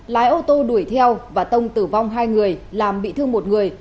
lái ô tô đuổi theo và tông tử vong hai người làm bị thương một người